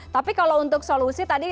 tapi kalau untuk solusi tadi